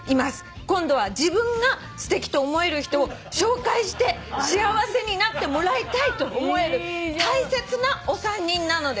「今度は自分がすてきと思える人を紹介して幸せになってもらいたいと思える大切なお三人なのです」